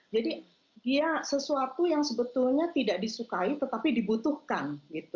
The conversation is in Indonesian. dia sesuatu yang sebetulnya tidak disukai tetapi dibutuhkan